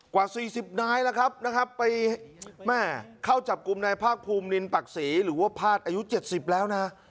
กว่าสี่สิบน้ายแล้วครับนะครับไปแม่เข้าจับกลุ่มในภาคภูมินปรักษีหรือว่าพาดอายุเจ็ดสิบแล้วนะ